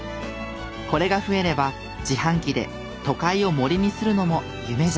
これが増えれば自販機で都会を森にするのも夢じゃない！